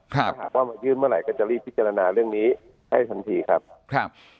ถ้าหากว่ามายื่นเมื่อไหร่ก็จะรีบพิจารณาเรื่องนี้ให้ทันทีครับครับ